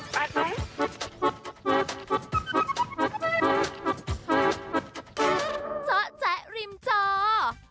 เจ้าแจ๊ะริมเจ้า